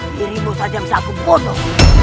dirimu saja bisa aku bodoh